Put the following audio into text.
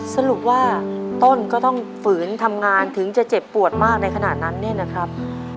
สรุปว่าต้นก็ต้องฝืนทำงานถึงจะเจ็บปวดมากในขณะนั้นเนี่ยนะครับ